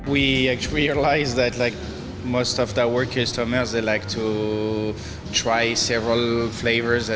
kita mengerti bahwa sebagian besar pelanggan kita suka mencoba beberapa rasa